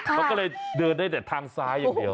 เขาก็เลยเดินได้แต่ทางซ้ายอย่างเดียว